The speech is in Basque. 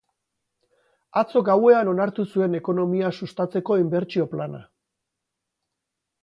Atzo gauean onartu zuen ekonomia sustatzeko inbertsio plana.